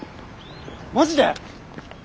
マジで？